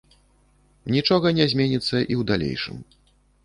Нічога не зменіцца і ў далейшым.